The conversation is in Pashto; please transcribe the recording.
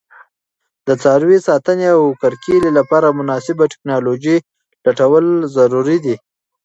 د څاروي ساتنې او کرکیلې لپاره مناسبه تکنالوژي لټول ضروري دي.